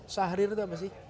sahrir itu apa sih